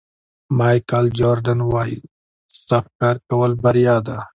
مایکل جوردن وایي سخت کار کول بریا ده.